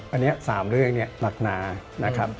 อันนี้๓เรื่องเนี่ยหนักหนานะครับ